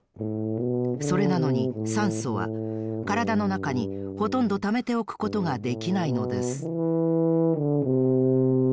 それなのにさんそはからだのなかにほとんどためておくことができないのです。